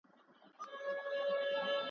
ته وا غل وو طبیب نه وو خدای ېې هېر کړ ,